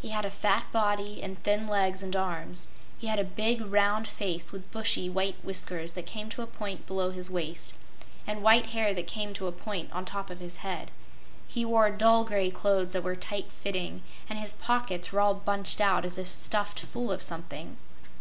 He had a fat body and thin legs and arms. He had a big, round face with bushy, white whiskers that came to a point below his waist, and white hair that came to a point on top of his head. He wore dull gray clothes that were tight fitting, and his pockets were all bunched out as if stuffed full of something.